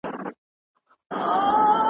په هره خبره کي به د پوره غور څخه کار اخلئ.